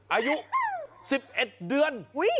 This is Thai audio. อายุ๑๑เดือน